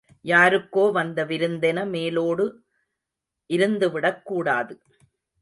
யாருக்கோ வந்த விருந்தென மேலோடு இருந்துவிடக் கூடாது.